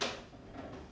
tentang apa yang terjadi